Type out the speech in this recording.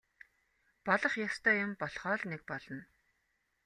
Болох ёстой юм болохоо л нэг болно.